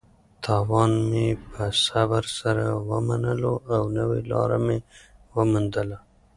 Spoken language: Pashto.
تاوان مې په صبر سره ومنلو او نوې لاره مې وموندله.